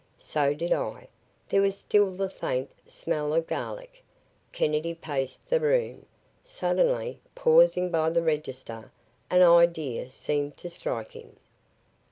So did I. There was still the faint smell of garlic. Kennedy paced the room. Suddenly, pausing by the register, an idea seemed to strike him.